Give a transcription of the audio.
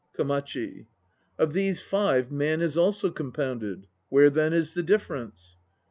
KOMACHI. Of these five man also is compounded. Where then is the difference?